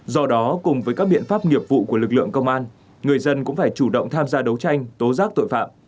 do đó cùng với các biện pháp nghiệp vụ của lực lượng công an người dân cũng phải chủ động tham gia đấu tranh tố giác tội phạm